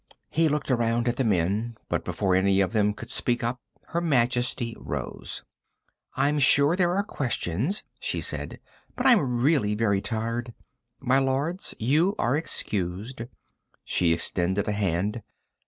He looked around at the men, but before any of them could speak up Her Majesty rose. "I'm sure there are questions," she said, "but I'm really very tired. My lords, you are excused." She extended a hand.